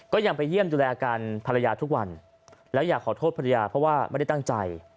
ยังไปเยี่ยมดูแลอาการภรรยาทุกวันแล้วอยากขอโทษภรรยาเพราะว่าไม่ได้ตั้งใจ